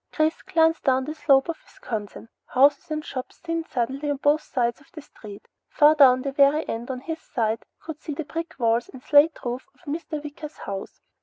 Chris glanced down the slope of Wisconsin. Houses and shops thinned suddenly on both sides of the street. Far down at the very end, on his side, he could see the brick walls and slate roof of Mr. Wicker's house.